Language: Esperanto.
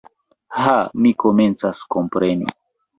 Ha, mi komencas kompreni.